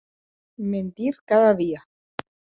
Mentir cada dia!